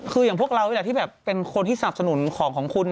คืออย่างพวกเรานี่แหละที่แบบเป็นคนที่สนับสนุนของของคุณ